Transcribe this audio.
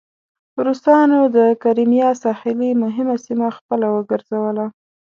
روسانو د کریمیا ساحلي مهمه سیمه خپله وګرځوله.